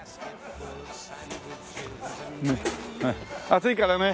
暑いからね。